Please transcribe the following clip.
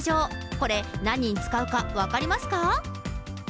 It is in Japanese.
これ、何に使うか分かりますか？